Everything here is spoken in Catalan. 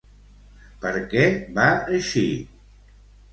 Per què va eixir?